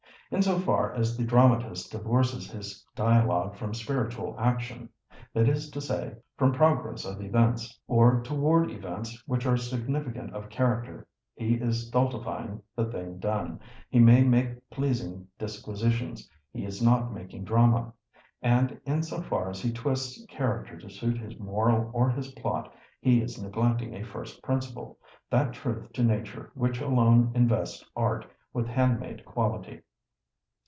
In so far as the dramatist divorces his dialogue from spiritual action—that is to say, from progress of events, or toward events which are significant of character—he is stultifying the thing done; he may make pleasing disquisitions, he is not making drama. And in so far as he twists character to suit his moral or his plot, he is neglecting a first principle, that truth to Nature which alone invests art with handmade quality.